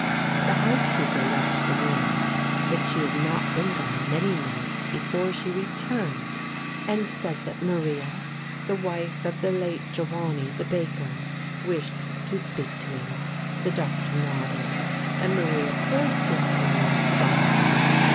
The housekeeper left the room, but she had not been gone many minutes before she returned and said that Maria, the wife of the late Giovanni, the baker, wished to speak to him. The Doctor nodded, and Maria burst into the room, sobbing.